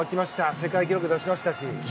世界記録出しましたし。